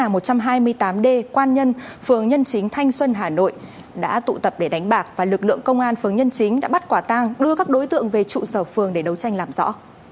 các đối tượng trú tại số một trăm hai mươi tám d quan nhân phường nhân chính thanh xuân hà nội đã tụ tập để đánh bạc và lực lượng công an phường nhân chính đã bắt quả tang đưa các đối tượng về trụ sở phường để đấu tranh làm rõ